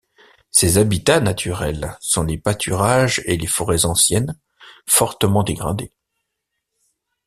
Ses habitats naturels sont les pâturages et les forêts anciennes fortement dégradées.